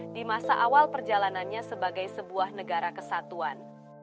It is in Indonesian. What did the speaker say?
di masa awal perjalanannya sebagai sebuah negara kesatuan